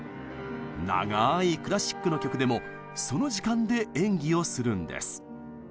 長いクラシックの曲でもその時間で演技をするんです。